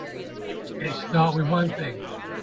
It start with one thing.